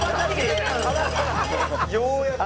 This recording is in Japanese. ようやく。